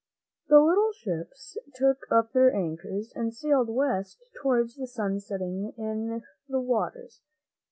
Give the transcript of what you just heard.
The little ships took up their anchors and sailed west towards the sun setting in the waters.